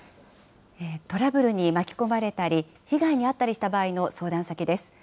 トラブルに巻き込まれたり、被害に遭ったりした場合の相談先です。